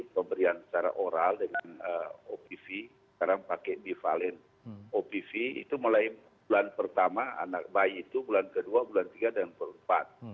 pemberian secara oral dengan opv sekarang pakai bivalen opv itu mulai bulan pertama anak bayi itu bulan kedua bulan tiga dan keempat